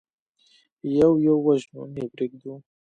يو يو وژنو، نه يې پرېږدو.